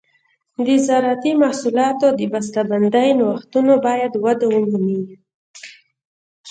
د زراعتي محصولاتو د بسته بندۍ نوښتونه باید وده ومومي.